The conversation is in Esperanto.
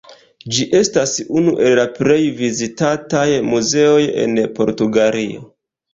Ĝi estas unu el la plej vizitataj muzeoj en Portugalio.